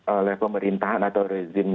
oleh pemerintahan atau rezim